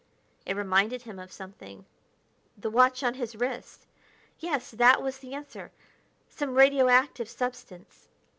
It reminded him of something ... the watch on his wrist ... yes, that was the answer some radio active substance.